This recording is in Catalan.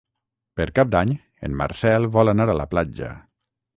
Per Cap d'Any en Marcel vol anar a la platja.